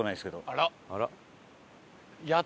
あら。